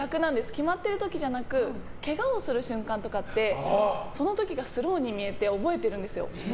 決まってる時じゃなくけがをする瞬間とかってその時がスローに見えて覚えているんですよ。